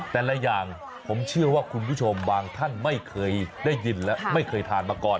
แต่ละอย่างผมเชื่อว่าคุณผู้ชมบางท่านไม่เคยได้ยินและไม่เคยทานมาก่อน